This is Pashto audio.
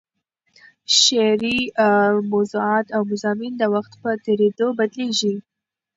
شعري موضوعات او مضامین د وخت په تېرېدو بدلېږي.